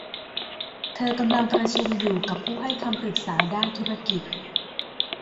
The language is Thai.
เธอกำลังประชุมอยู่กับผู้ให้คำปรึกษาด้านธุรกิจ